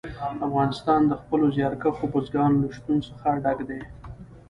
افغانستان د خپلو زیارکښو بزګانو له شتون څخه ډک دی.